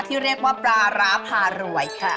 ที่เรียกว่าปลาร้าพารวยค่ะ